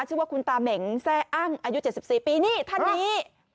ชื่อว่าคุณตาเหม็งแซ่อั้งอายุ๗๔ปีนี่ท่านนี้